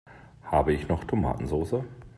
Habe ich noch Tomatensoße?